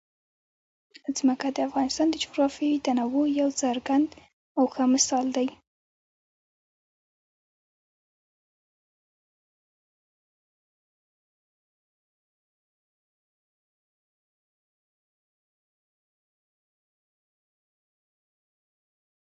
دځنګل حاصلات د افغانستان د بشري فرهنګ یوه برخه ده.